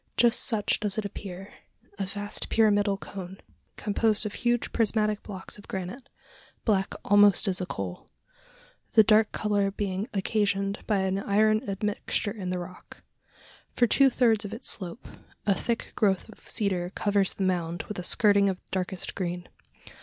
Just such does it appear a vast pyramidal cone, composed of huge prismatic blocks of granite, black almost as a coal the dark colour being occasioned by an iron admixture in the rock. For two thirds of its slope, a thick growth of cedar covers the mound with a skirting of darkest green.